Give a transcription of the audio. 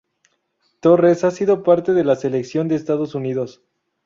Torres ha sido parte de la Selección de Estados Unidos.